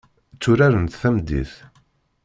Tturarent tameddit.